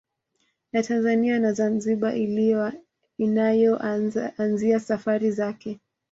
La Tanzania na Zambia inayoanzia safari zake